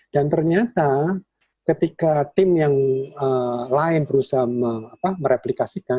dan ternyata ketika tim yang lain berusaha mereplikasikan